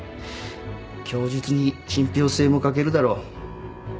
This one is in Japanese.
供述に信ぴょう性も欠けるだろう。